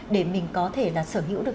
để mình có thể sở hữu được